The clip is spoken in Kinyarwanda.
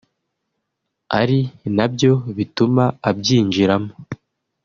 ari na byo bituma abyinjiramo